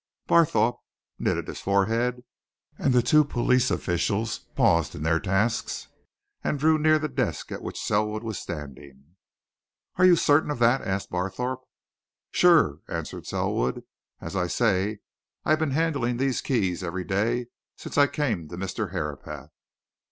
Barthorpe knitted his forehead, and the two police officials paused in their tasks and drew near the desk at which Selwood was standing. "Are you certain of that?" asked Barthorpe. "Sure!" answered Selwood. "As I say, I've been handling these keys every day since I came to Mr. Herapath."